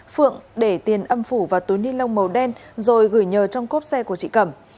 phượng để tiền âm phủ và túi ni lông màu đen rồi gửi nhờ trong cốp xe của chị cẩm